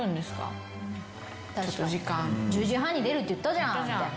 １０時半に出るって言ったじゃんって。